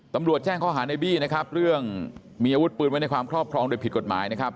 ตำรวจแจ้งข้อหาในบี้นะครับเรื่องมีอาวุธปืนไว้ในความครอบครองโดยผิดกฎหมายนะครับ